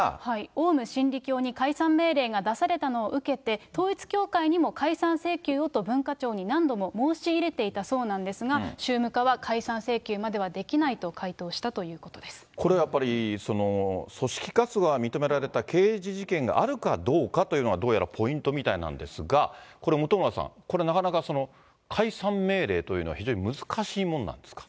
オウム真理教に解散命令が出されたのを受けて、統一教会にも解散請求をと文化庁に何度も申し入れていたそうなんですが、宗務課は解散請求まではできないと回答したということでこれやっぱり、組織活動が認められた刑事事件があるかどうかというのは、どうやらポイントみたいなんですが、これ本村さん、これなかなか解散命令というのは、非常に難しいもんなんですか。